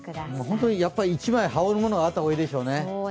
本当に、１枚羽織るものがあった方がいいでしょうね。